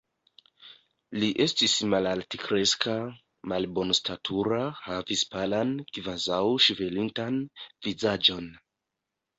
Li estis malaltkreska, malbonstatura, havis palan, kvazaŭ ŝvelintan, vizaĝon.